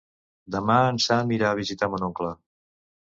Demà en Sam irà a visitar mon oncle.